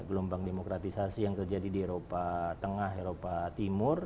gelombang demokratisasi yang terjadi di eropa tengah eropa timur